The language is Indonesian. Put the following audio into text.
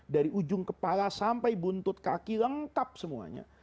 dari ujung kepala sampai buntut kaki lengkap semuanya